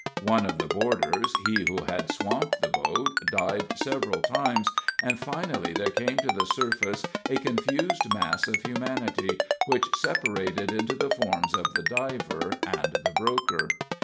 One of the boarders he who had swamped the boat dived several times, and finally there came to the surface a confused mass of humanity which separated into the forms of the diver and the broker.